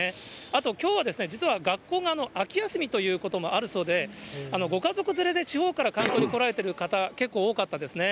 あときょうはですね、実は学校が秋休みということもあるそうで、ご家族連れで地方から観光に来られてる方、結構多かったですね。